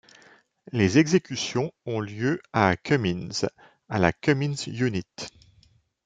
Les exécutions ont lieu à Cummins, à la Cummins Unit.